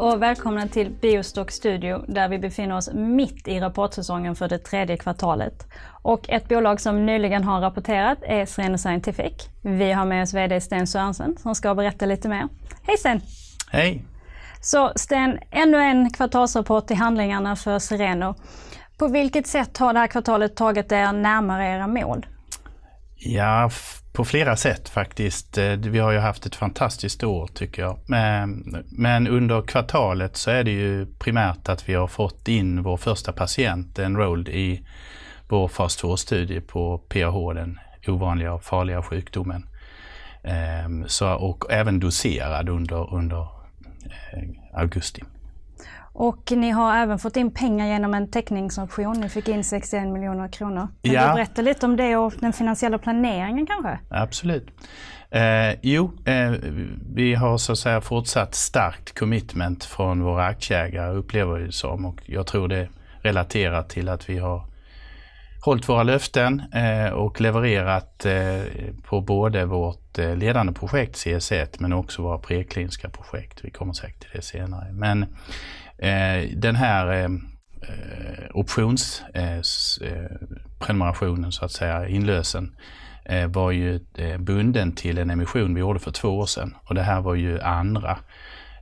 Hej och välkomna till BioStock Studio där vi befinner oss mitt i rapportsäsongen för det tredje kvartalet. Ett bolag som nyligen har rapporterat är Cereno Scientific. Vi har med oss VD Sten R. Sörensen som ska berätta lite mer. Hej Sten. Hej! Sten, ännu en kvartalsrapport i handlingarna för Cereno. På vilket sätt har det här kvartalet tagit er närmare era mål? Ja, på flera sätt faktiskt. Vi har ju haft ett fantastiskt år tycker jag. Men under kvartalet så är det ju primärt att vi har fått in vår första patient enrolled i vår fas två-studie på PAH, den ovanliga och farliga sjukdomen. Så och även doserad under augusti. Ni har även fått in pengar genom en teckningsoption. Ni fick in 61 miljoner kronor. Kan du berätta lite om det och den finansiella planeringen kanske? Absolut. Vi har så att säga fortsatt starkt commitment från våra aktieägare, upplever vi det som. Jag tror det är relaterat till att vi har hållit våra löften, och levererat på både vårt ledande projekt CS1, men också våra prekliniska projekt. Vi kommer säkert till det senare. Den här optionspremiationen så att säga, inlösen, var ju bunden till en emission vi gjorde för 2 år sedan och det här var ju andra.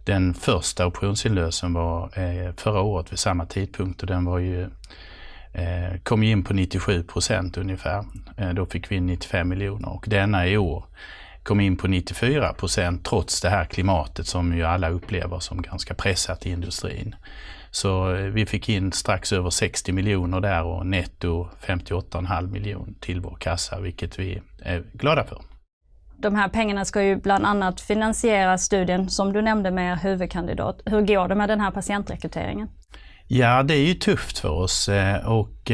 Den första optionsinlösen var förra året vid samma tidpunkt och den kom ju in på 97% ungefär. Då fick vi in 95 miljoner och denna i år kom in på 94% trots det här klimatet som ju alla upplever som ganska pressat i industrin. Vi fick in strax över 60 miljoner där och netto 58 och en halv miljon till vår kassa, vilket vi är glada för. De här pengarna ska ju bland annat finansiera studien som du nämnde med er huvudkandidat. Hur går det med den här patientrekryteringen? Ja, det är ju tufft för oss och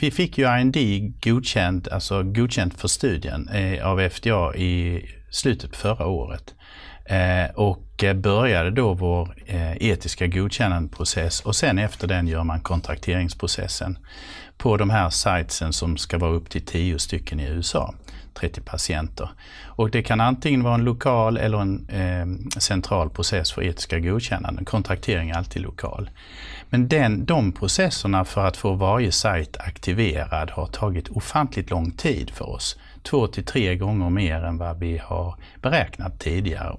vi fick ju IND godkänt, alltså godkänt för studien av FDA i slutet förra året. Började då vår etiska godkännandeprocess och sen efter den gör man kontrakteringsprocessen på de här sitesen som ska vara upp till 10 stycken i USA, 30 patienter. Det kan antingen vara en lokal eller en central process för etiska godkännanden. Kontraktering är alltid lokal. De processerna för att få varje site aktiverad har tagit ofantligt lång tid för oss, 2-3 gånger mer än vad vi har beräknat tidigare.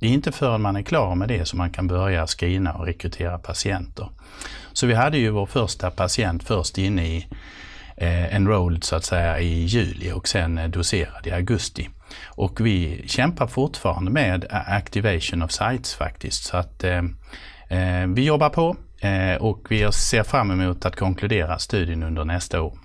Det är inte förrän man är klar med det så man kan börja screena och rekrytera patienter. Vi hade ju vår första patient först inne i enrolled så att säga i juli och sedan doserad i augusti. Vi kämpar fortfarande med activation of sites faktiskt. Vi jobbar på och vi ser fram emot att konkludera studien under nästa år.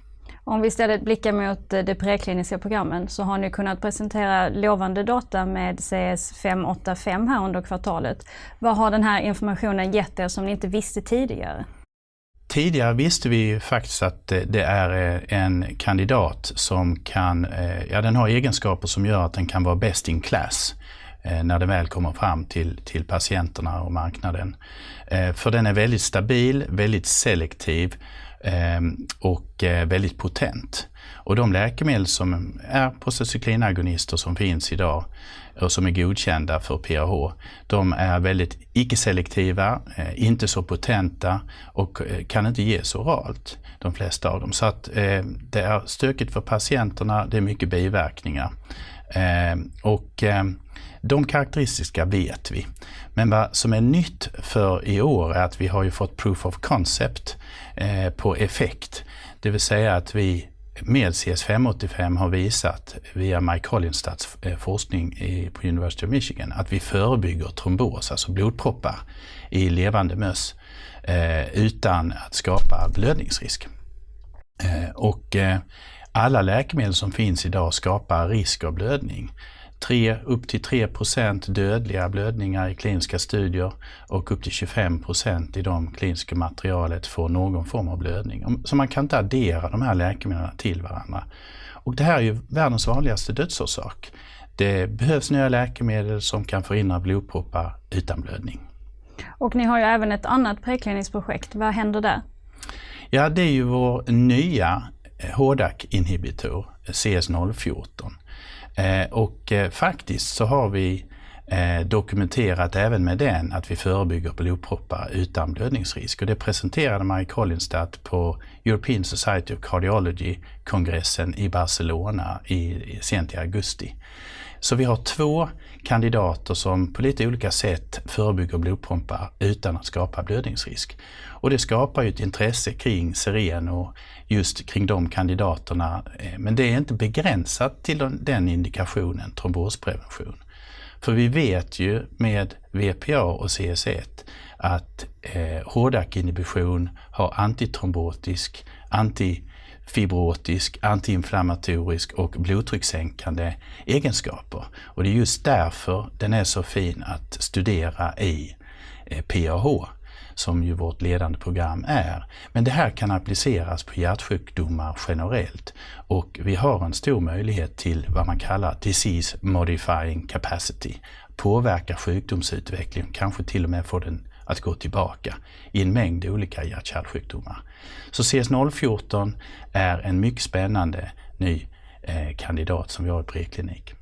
Om vi istället blickar mot det prekliniska programmen så har ni kunnat presentera lovande data med CS585 här under kvartalet. Vad har den här informationen gett er som ni inte visste tidigare? Tidigare visste vi faktiskt att det är en kandidat som kan, ja den har egenskaper som gör att den kan vara best in class när det väl kommer fram till patienterna och marknaden. För den är väldigt stabil, väldigt selektiv och väldigt potent. De läkemedel som är prostacyklinagonister som finns i dag och som är godkända för PAH, de är väldigt icke-selektiva, inte så potenta och kan inte ges oralt, de flesta av dem. Att det är stökigt för patienterna, det är mycket biverkningar. De karakteristika vet vi. Vad som är nytt för i år är att vi har ju fått proof of concept på effekt. Det vill säga att vi med CS585 har visat via Mike Holinstat's forskning på University of Michigan att vi förebygger trombos, alltså blodproppar, i levande möss utan att skapa blödningsrisk. Alla läkemedel som finns i dag skapar risk och blödning. 3, upp till 3% dödliga blödningar i kliniska studier och upp till 25% i de kliniska materialet får någon form av blödning. Man kan inte addera de här läkemedlen till varandra. Det här är ju världens vanligaste dödsorsak. Det behövs nya läkemedel som kan förhindra blodproppar utan blödning. ni har ju även ett annat prekliniskt projekt. Vad händer där? Ja, det är ju vår nya HDAC-inhibitor CS014. Faktiskt så har vi dokumenterat även med den att vi förebygger blodproppar utan blödningsrisk. Det presenterade Mike Holinstat då på European Society of Cardiology-kongressen i Barcelona sent i augusti. Vi har två kandidater som på lite olika sätt förebygger blodproppar utan att skapa blödningsrisk. Det skapar ju ett intresse kring Cereno och just kring de kandidaterna, men det är inte begränsat till den indikationen trombosprevention. Vi vet ju med VPA och CS1 att HDAC-inhibition har antitrombotisk, anti-fibrotisk, anti-inflammatorisk och blodtryckssänkande egenskaper. Det är just därför den är så fin att studera i PAH, som ju vårt ledande program är. Det här kan appliceras på hjärtsjukdomar generellt. Vi har en stor möjlighet till vad man kallar disease-modifying capacity. Påverka sjukdomsutvecklingen, kanske till och med få den att gå tillbaka i en mängd olika hjärt-kärlsjukdomar. CS014 är en mycket spännande ny kandidat som vi har i preklinik.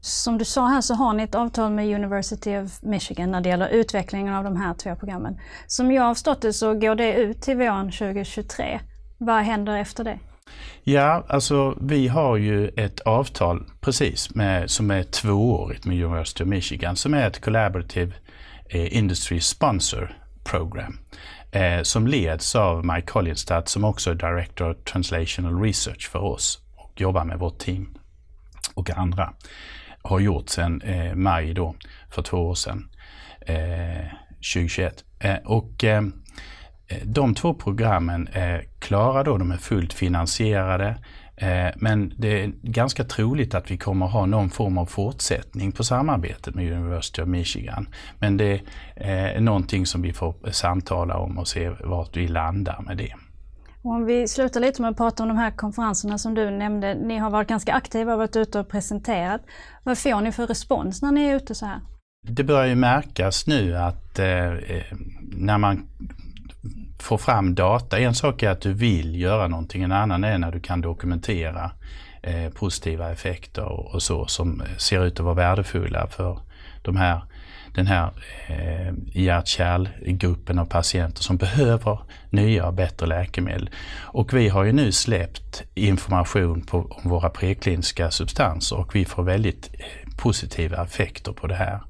Som du sa här så har ni ett avtal med University of Michigan när det gäller utvecklingen av de här två programmen. Som jag har förstått det så går det ut till våren 2023. Vad händer efter det? Ja, alltså vi har ju ett avtal precis som är tvåårigt med University of Michigan som är ett collaborative industry sponsor program, som leds av Mike Holinstat som också är Director Translational Research för oss och jobbar med vårt team och andra har gjort sedan maj då för två år sedan, 2021. De två programmen är klara då de är fullt finansierade. Det är ganska troligt att vi kommer att ha någon form av fortsättning på samarbetet med University of Michigan. Det är någonting som vi får samtala om och se vart vi landar med det. Om vi slutar lite med att prata om de här konferenserna som du nämnde, ni har varit ganska aktiva och varit ute och presenterat. Vad får ni för respons när ni är ute såhär? Det börjar märkas nu att när man får fram data i en sak är att du vill göra någonting, en annan är när du kan dokumentera positiva effekter och så som ser ut att vara värdefulla för de här, den här hjärt-kärl-gruppen av patienter som behöver nya och bättre läkemedel. Vi har ju nu släppt information på våra prekliniska substanser och vi får väldigt positiva effekter på det här.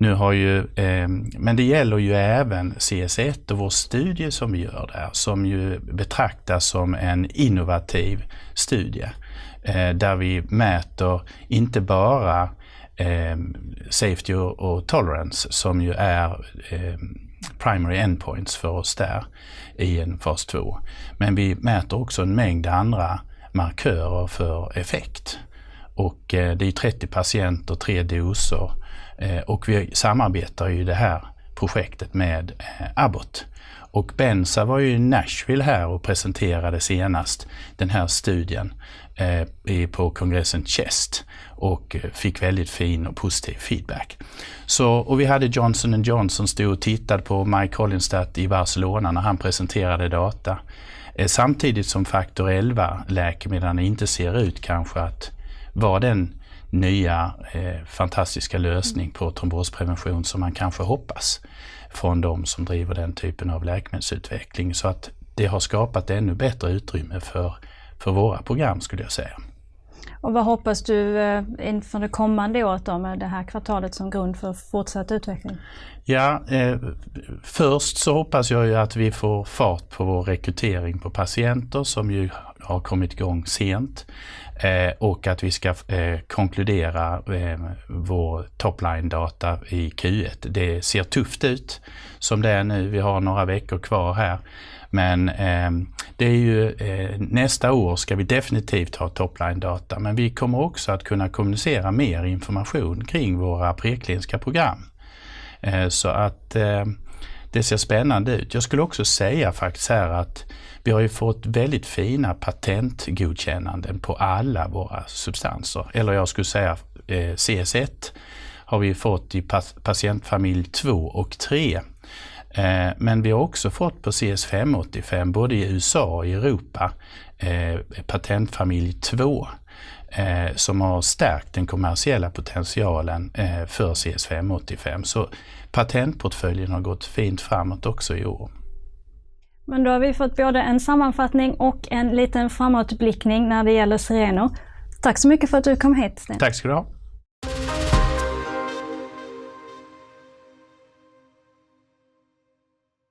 Nu har ju, men det gäller ju även CS1 och vår studie som vi gör där, som ju betraktas som en innovativ studie där vi mäter inte bara safety och tolerance som ju är primary endpoints för oss där i en fas två. Vi mäter också en mängd andra markörer för effekt. Det är 30 patienter, 3 doser och vi samarbetar ju det här projektet med Abbott. Niklas Bergh var ju i Nashville här och presenterade senast den här studien på kongressen CHEST och fick väldigt fin och positiv feedback. Vi hade Johnson & Johnson stod och tittade på Mike Holinstat i Barcelona när han presenterade data. Samtidigt som Factor XI-läkemedlen inte ser ut kanske att vara den nya fantastiska lösning på trombosprevention som man kanske hoppas från de som driver den typen av läkemedelsutveckling. Att det har skapat ännu bättre utrymme för våra program skulle jag säga. Vad hoppas du inför det kommande året då med det här kvartalet som grund för fortsatt utveckling? Ja, först så hoppas jag ju att vi får fart på vår rekrytering på patienter som ju har kommit igång sent och att vi ska konkludera vår top-line data i Q1. Det ser tufft ut som det är nu. Vi har några veckor kvar här. Det är ju nästa år ska vi definitivt ha top-line data. Vi kommer också att kunna kommunicera mer information kring våra prekliniska program. Att det ser spännande ut. Jag skulle också säga faktiskt här att vi har ju fått väldigt fina patentgodkännanden på alla våra substanser. Eller jag skulle säga CS1 har vi fått i patentfamilj två och tre. Vi har också fått på CS585, både i USA och i Europa, patentfamilj två som har stärkt den kommersiella potentialen för CS585. Patentportföljen har gått fint framåt också i år. Men då har vi fått både en sammanfattning och en liten framåtblickning när det gäller Cereno. Tack så mycket för att du kom hit, Sten. Tack ska du ha.